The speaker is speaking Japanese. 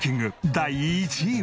第１位は。